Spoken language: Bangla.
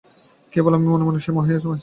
কেবল আমি মনে মনে সেই মহামায়া আছি।